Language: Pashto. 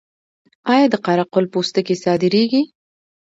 آیا د قره قل پوستکي صادریږي؟